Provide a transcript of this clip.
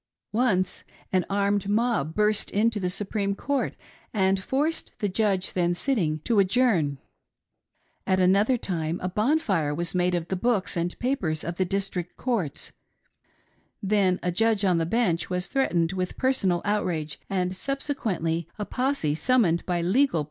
Once an armed mob burst into the Supreme Court, and forced the Judge then sitting to adjourn ; at another time a bonfire was made of the books and papers of the District Courts ; then a Judge on the bench was threatened with personal outrage ; and subsequently a fosse summoned by legal